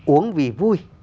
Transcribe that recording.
uống vì vui